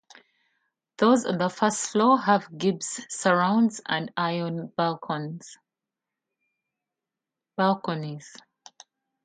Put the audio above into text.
Those on the first floor have Gibbs surrounds and iron balconies.